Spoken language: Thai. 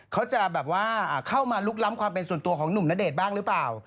เขาจะแบบว่าเข้ามาลุกล้ำความเป็นส่วนตัวของหนุ่มณเดชน์บ้างหรือเปล่า